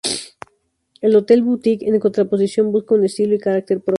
El hotel "boutique", en contraposición, busca un estilo y carácter propio.